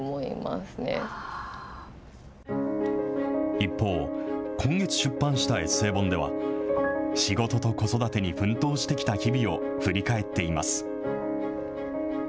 一方、今月出版したエッセイ本では、仕事と子育てに奮闘してきた日々を振り返っています。